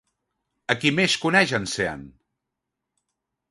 A qui més coneix en Sean?